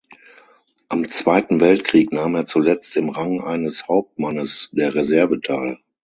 Am Zweiten Weltkrieg nahm er zuletzt im Rang eines Hauptmannes der Reserve teil.